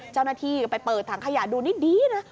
เจ้าหน้าที่ก็ไปเปิดถังขยะดูนิดดีนะ